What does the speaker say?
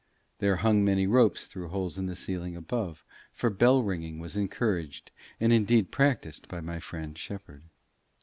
There hung many ropes through holes in a ceiling above, for bell ringing was encouraged and indeed practised by my friend Shepherd.